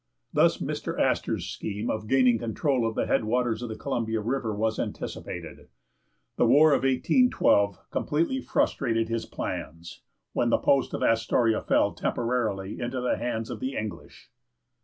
Thus Mr. Astor's scheme of gaining control of the head waters of the Columbia River was anticipated. The war of 1812 completely frustrated his plans, when the post of Astoria fell temporarily into the hands of the English.